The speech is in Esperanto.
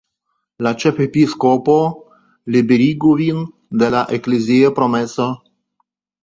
La ĉefepiskopo liberigu vin de la eklezia promeso.